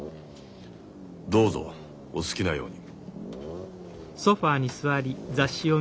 どうぞお好きなように。